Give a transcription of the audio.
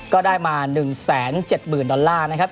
ก็ได้มา๑๗๐๐๐ดอลลาร์นะครับ